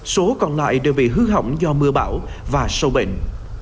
số còn lại đều bị hư hỏng do mưa bão và sâu bệnh